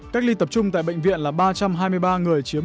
cách ly tập trung tại bệnh viện là ba trăm hai mươi ba người chiếm một